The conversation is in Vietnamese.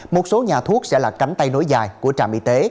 một số nhà thuốc sẽ là cánh tay nối dài của trạm y tế